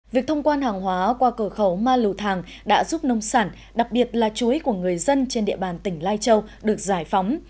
việc thông quan hàng hóa qua cửa khẩu ma lù thàng đã giúp nông sản đặc biệt là chuối của người dân trên địa bàn tỉnh lai châu được giải phóng